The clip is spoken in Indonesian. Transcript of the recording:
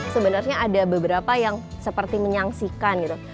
sebenarnya ada beberapa yang seperti menyaksikan gitu